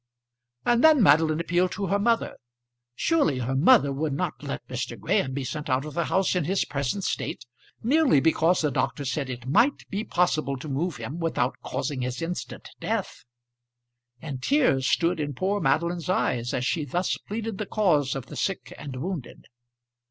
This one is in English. And then Madeline appealed to her mother. Surely her mother would not let Mr. Graham be sent out of the house in his present state, merely because the doctor said it might be possible to move him without causing his instant death! And tears stood in poor Madeline's eyes as she thus pleaded the cause of the sick and wounded.